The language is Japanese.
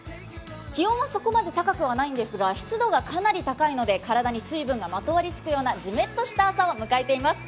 気温はそこまで高くはないんですが、湿度がかなり高いので体に水分がまとわりつくようなじめっとした朝を迎えています。